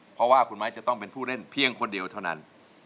เพราะว่าคุณไม้จะต้องเป็นผู้เล่นเพียงคนเดียวเท่านั้น